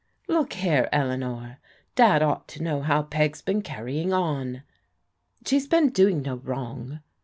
" Look here, Eleanor, Dad ought to know how Peg's been carrying on." " She's been doing no wrong."